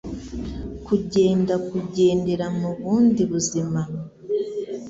Kugenda - kugendera mu bundi buzima